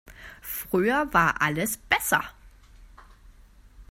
Früher war alles besser.